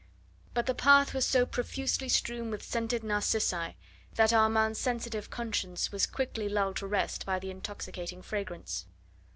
But the path was so profusely strewn with scented narcissi that Armand's sensitive conscience was quickly lulled to rest by the intoxicating fragrance.